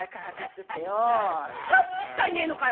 ３人しかいねえのかよ